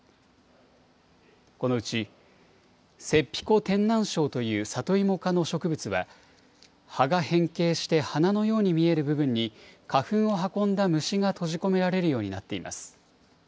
このうち、セッピコテンナンショウというサトイモ科の植物は、葉が変形して花のように見える部分に、花粉を運んだ虫が閉じ込められるようになっています。